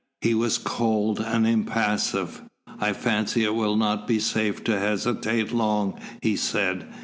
He was cold and impassive. "I fancy it will not be safe to hesitate long," he said.